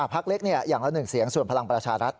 พักเล็กอย่างละ๑เสียงส่วนพลังประชารัฐ